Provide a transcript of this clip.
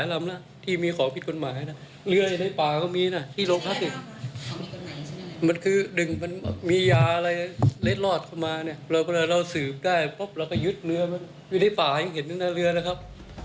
ยังพังอยู่ในป่าน่ะนะครับ